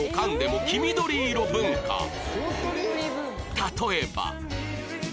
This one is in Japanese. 例えば